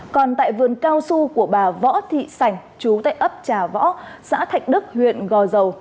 còn tại vườn cao su của bà võ thị sảnh chú tại ấp trà võ xã thạch đức huyện gò dầu